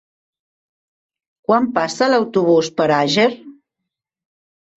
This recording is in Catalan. Quan passa l'autobús per Àger?